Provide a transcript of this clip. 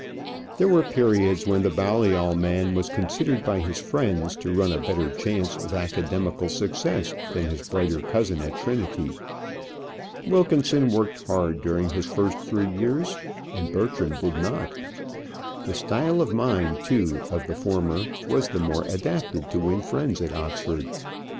There were periods when the Balliol man was considered by his friends to run a better chance of academical success than his brighter cousin at Trinity. Wilkinson worked hard during his three first years, and Bertram did not. The style of mind, too, of the former was the more adapted to win friends at Oxford.